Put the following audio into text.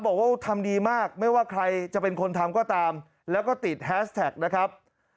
บอกว่าทำดีมากไม่ว่าใครจะเป็นคนทำก็ตามแล้วก็ติดแฮสแท็กนะครับ